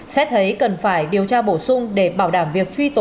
xét thấy cần phải điều tra bổ sung để bảo đảm việc truy tố